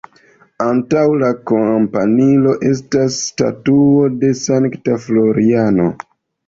Antaŭ la kampanilo estas statuo de Sankta Floriano.